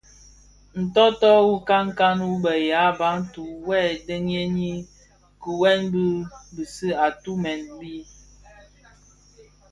Ntôôtô wu nkankan wu bë ya Bantu (Bafia) wuè dhëňdhëni kigwèl bi bisi a ditumen di.